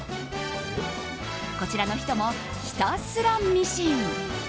こちらの人も、ひたすらミシン。